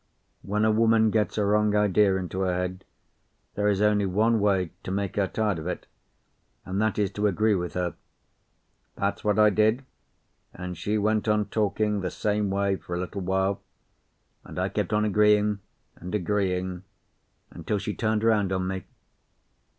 When a woman gets a wrong idea into her head, there is only one way to make her tired of it, and that is to agree with her. That's what I did, and she went on talking the same way for a little while, and I kept on agreeing and agreeing until she turned round on me.